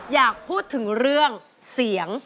อยากพูดถึงเรื่องเสียง